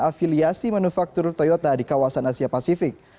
afiliasi manufaktur toyota di kawasan asia pasifik